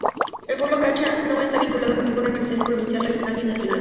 El pueblo Cacha no está vinculada con ninguna organización provincial, Regional ni nacional.